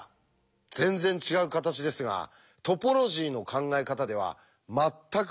全然違う形ですがトポロジーの考え方では全く同じ形なんです。